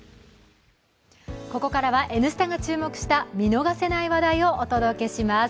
ここからは「Ｎスタ」が注目した見逃せない話題をお届けします。